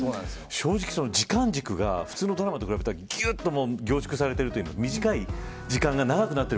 正直、時間軸が普通のドラマと比べたら凝縮されているというか短い時間が長くなっている